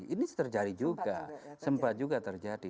ini terjadi juga sempat juga terjadi